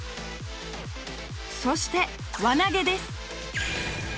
そして輪投げです。